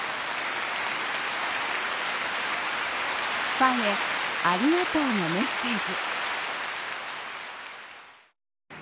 ファンへありがとうのメッセージ。